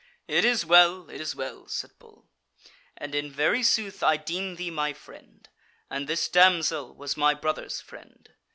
"It is well, it is well," said Bull, "and in very sooth I deem thee my friend; and this damsel was my brother's friend.